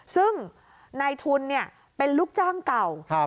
ซึ่งนายทุนเป็นลูกจ้างเก่า